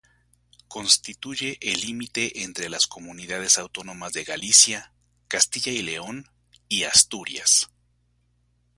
Constituye el límite entre las comunidades autónomas de Galicia, Castilla y León y Asturias.